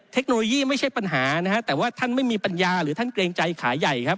เทคโนโลยีไม่ใช่ปัญหานะฮะแต่ว่าท่านไม่มีปัญญาหรือท่านเกรงใจขาใหญ่ครับ